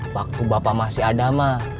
waktu bapak masih ada mah